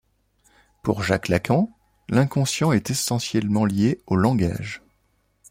Pour Jacques Lacan, l'inconscient est essentiellement lié au langage.